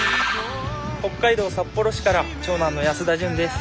北海道札幌市から長男の安田淳です。